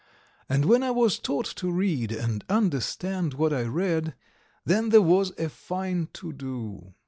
And when I was taught to read and understand what I read, then there was a fine to do.